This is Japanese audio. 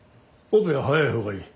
オペは早いほうがいい。